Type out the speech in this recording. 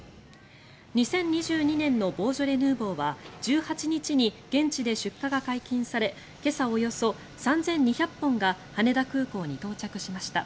２０２２年のボージョレ・ヌーボーは１８日に現地で出荷が解禁され今朝、およそ３２００本が羽田空港に到着しました。